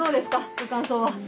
ご感想は？